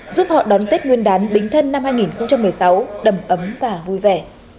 giúp họ đón tết nguyên đán bính thân năm hai nghìn một mươi sáu đầm ấm và vui vẻ